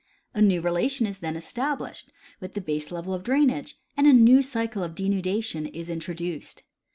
A new relation is then established Avith the baselevel of drainage, and a new cycle of denudation is introduced.